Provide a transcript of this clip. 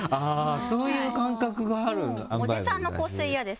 そういう感覚がある？